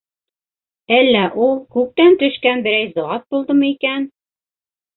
Әллә ул... күктән төшкән берәй зат булдымы икән?!